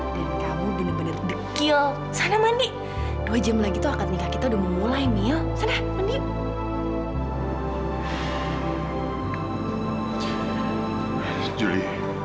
mungkin kamu akan benci sama aku seumur hidup kalau mendengar aku akan ngomong ini